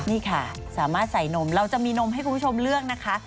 นี่ค่ะสามารถใส่นมเราจะมีนมให้คุณผู้ชมเลือกนะคะ